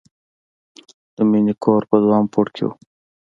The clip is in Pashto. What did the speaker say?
د مینې کور په دریم پوړ کې و